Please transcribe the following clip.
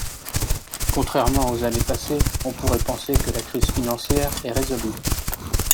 Contrairement aux années passées, on pourrait penser que la crise financière est résolue.